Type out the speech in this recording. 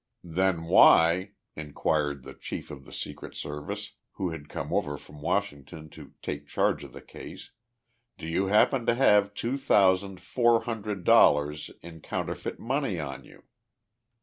"Then why," inquired the chief of the Secret Service, who had come over from Washington to take charge of the case, "do you happen to have two thousand four hundred dollars in counterfeit money on you?"